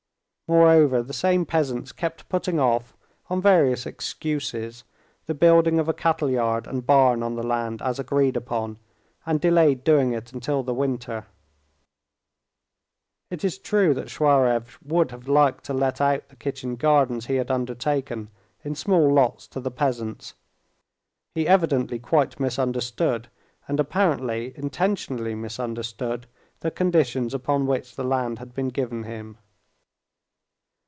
Moreover the same peasants kept putting off, on various excuses, the building of a cattleyard and barn on the land as agreed upon, and delayed doing it till the winter. It is true that Shuraev would have liked to let out the kitchen gardens he had undertaken in small lots to the peasants. He evidently quite misunderstood, and apparently intentionally misunderstood, the conditions upon which the land had been given to him.